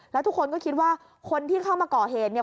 แล้วทุกคนก็คิดว่าคนที่เข้ามาก่อเหตุเนี่ย